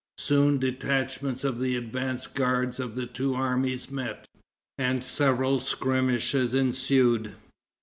Soon detachments of the advanced guards of the two armies met, and several skirmishes ensued.